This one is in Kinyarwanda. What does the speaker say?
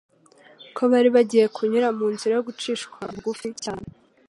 ko bari bagiye kunyura mu nzira yo gucishwa bugufi cyane